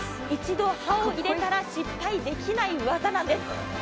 一度刃を入れたら失敗できない技なんです。